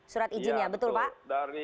surat izinnya betul pak